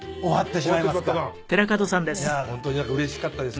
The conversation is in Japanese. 本当にうれしかったです